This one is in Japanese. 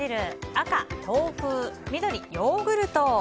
赤、豆腐緑、ヨーグルト。